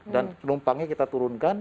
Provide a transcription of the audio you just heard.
dan penumpangnya kita turunkan